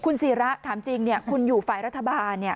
คุณศิระถามจริงคุณอยู่ฝ่ายรัฐบาล